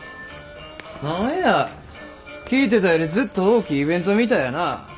何や聞いてたよりずっと大きいイベントみたいやなあ。